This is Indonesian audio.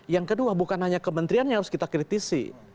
dan kedua bukan hanya kementerian yang harus kita kritisi